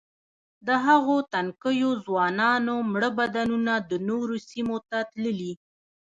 د هغو تنکیو ځوانانو مړه بدنونه د نورو سیمو ته تللي.